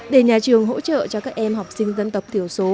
để nhà trường hỗ trợ cho các em học sinh dân tộc thiểu số